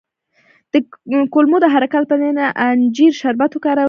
د کولمو د حرکت لپاره د انجیر شربت وکاروئ